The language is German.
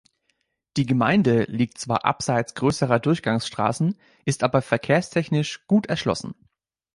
Die Gemeinde liegt zwar abseits grösserer Durchgangsstrassen, ist aber verkehrstechnisch gut erschlossen.